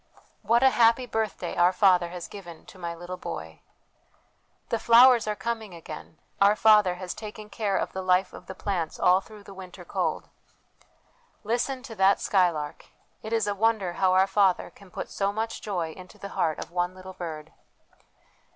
' What a happy birthday our Father has given to my little boy !'' The flowers are coming again ; our Father has taken care of the life of the plants all through the winter cold !'' Listen to that skylark ! It is a wonder how our Father can put so much joy into the heart of one little bird.'